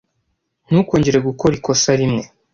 Ntukongere gukora ikosa rimwe.